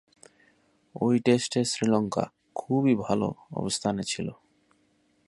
ঐ টেস্টে শ্রীলঙ্কা খুবই ভাল অবস্থানে ছিল।